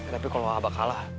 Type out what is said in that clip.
tapi kalau abah kalah